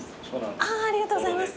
ありがとうございます。